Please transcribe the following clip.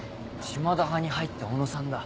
島田派に入った小野さんだ。